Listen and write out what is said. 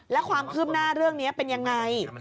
แล้วความคืบหน้าเรื่องนี้เป็นยังไง